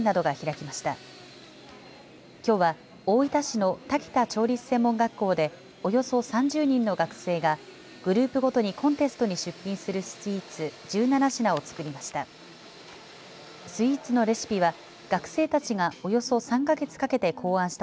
きょうは大分市の田北調理師専門学校でおよそ３０人の学生がグループごとにコンテストに出品するスイーツ１７品をつくりました。